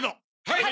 はい！